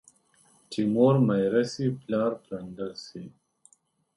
چي مور ميره سي ، پلار پلندر سي.